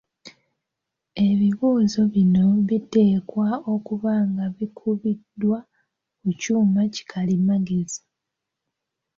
Ebibuuzo bino biteekwa okuba nga bikubiddwa ku kyuma ki kalimagezi.